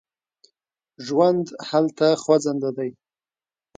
ژوند هلته خوځنده دی.